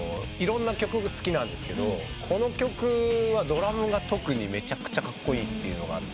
いろんな曲好きなんですけどこの曲はドラムが特にめちゃくちゃカッコイイ。